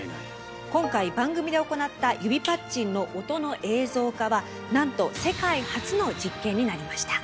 今回番組で行った指パッチンの音の映像化はなんと世界初の実験になりました。